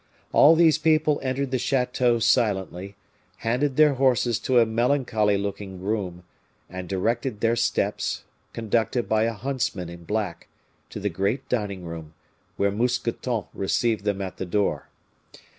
All these people entered the chateau silently, handed their horses to a melancholy looking groom, and directed their steps, conducted by a huntsman in black, to the great dining room, where Mousqueton received them at the door.